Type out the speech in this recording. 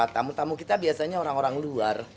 tamu tamu kita biasanya orang orang luar